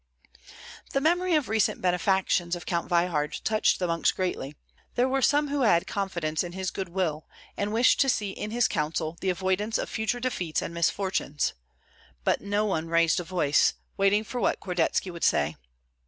The memory of recent benefactions of Count Veybard touched the monks greatly. There were some who had confidence in his good will, and wished to see in his counsel the avoidance of future defeats and misfortunes. But no one raised a voice, waiting for what Kordetski would say.